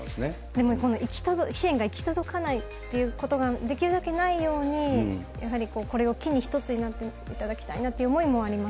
でも、支援が行き届かないということができるだけないように、やはりこれを機に一つになっていただきたいなという思いもありま